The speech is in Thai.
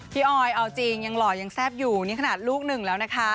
ออยเอาจริงยังหล่อยังแซ่บอยู่นี่ขนาดลูกหนึ่งแล้วนะคะ